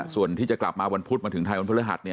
ส่วนที่จะกลับมาวันพุธมาถึงไทยวันพฤหัส